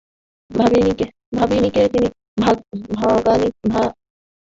ভবানীকে তিনি বয়ঃপ্রাপ্ত বালক বলিয়াই দেখিতেন।